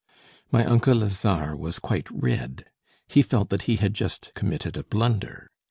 My uncle Lazare was quite red. He felt that he had just committed a blunder.